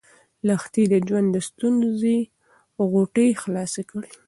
لښتې د ژوند د ستونزو غوټې خلاصې کړې.